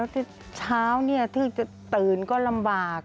แล้วเช้าถึงจะตื่นก็ลำบาก